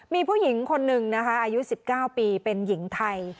มีผู้หญิงคนหนึ่งนะคะอายุ๑๙ปีเป็นหญิงไทย